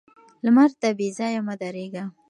لمر ته بې ځايه مه درېږه